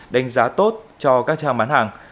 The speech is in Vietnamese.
đánh giá tốt cho các trang bán hàng